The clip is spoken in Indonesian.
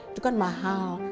itu kan mahal